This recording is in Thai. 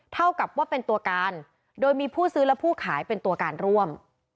เท่ากับว่าเป็นตัวการโดยมีผู้ซื้อและผู้ขายเป็นตัวการร่วม